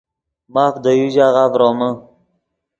ماف دے یو ژاغہ ڤرومے